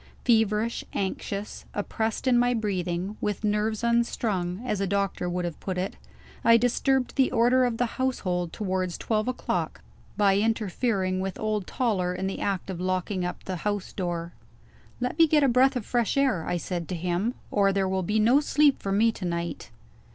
Feverish, anxious, oppressed in my breathing with nerves unstrung, as a doctor would have put it I disturbed the order of the household towards twelve o'clock by interfering with old Toller in the act of locking up the house door. "Let me get a breath of fresh air," I said to him, "or there will be no sleep for me to night."